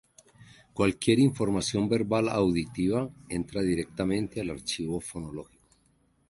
Cualquier información verbal auditiva entra directamente al archivo fonológico.